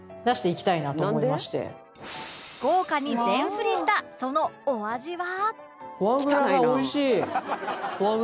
豪華に全振りしたそのお味は